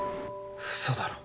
嘘だろ。